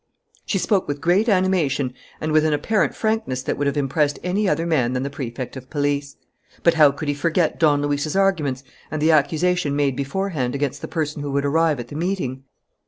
She spoke with great animation and with an apparent frankness that would have impressed any other man than the Prefect of Police. But how could he forget Don Luis's arguments and the accusation made beforehand against the person who would arrive at the meeting?